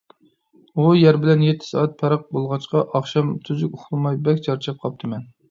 ئۇ يەر بىلەن يەتتە سائەت پەرق بولغاچقا، ئاخشام تۈزۈك ئۇخلىماي بەك چارچاپ قاپتىمەن.